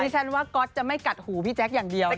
ฉันว่าก๊อตจะไม่กัดหูพี่แจ๊คอย่างเดียว